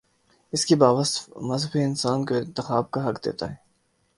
اس کے باوصف مذہب انسان کو انتخاب کا حق دیتا ہے۔